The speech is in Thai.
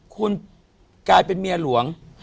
คุณกลายเป็นเมียหลวง